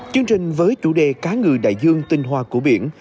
chương trình với chủ đề cá ngừ đại dương tinh hoa của biển